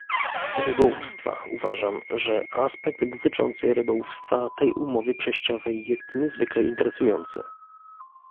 Rybołówstwa uważam, że aspekt dotyczący rybołówstwa tej umowy przejściowej jest niezwykle interesujący